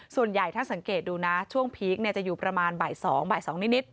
ส่วนใหญ่ถ้าสังเกตดูนะช่วงพีคจะอยู่ประมาณบ่าย๒บ่าย๒นิด